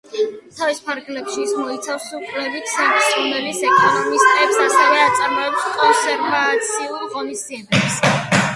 თავის ფარგლებში ის მოიცავს კვლევით ცენტრს რომელიც ეკოსისტემებს, ასევე აწარმოებს კონსერვაციულ ღონისძიებებს.